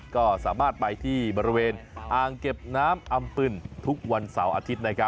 ก็สามารถไปที่บริเวณอ่างเก็บน้ำอำปึ่นทุกวันเสาร์อาทิตย์